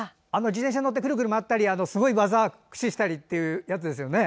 自転車に乗ってくるくる回ったりすごい技を駆使したりっていうやつですよね。